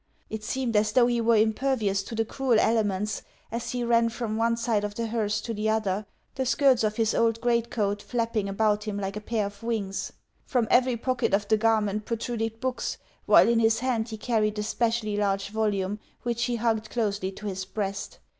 It seemed as though he were impervious to the cruel elements as he ran from one side of the hearse to the other the skirts of his old greatcoat flapping about him like a pair of wings. From every pocket of the garment protruded books, while in his hand he carried a specially large volume, which he hugged closely to his breast.